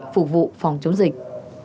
phục vụ phòng chống dịch